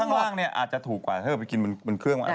กินข้างล่างอาจจะถูกกว่าเขาก็ไปกินบนเครื่อง